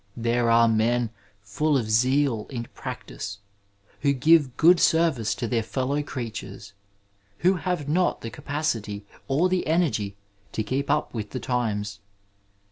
There are men full of seal in practice who give good s^vice to their fellow creatures, who have not the capacity or the energy to keep up with the times.